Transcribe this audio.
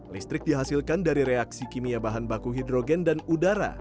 listrik dihasilkan dari reaksi kimia bahan baku hidrogen dan udara